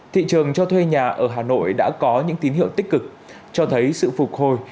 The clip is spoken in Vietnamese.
thị trường cho thuê nhà ở hà nội đã có những tín hiệu tích cực cho thấy sự phục hồi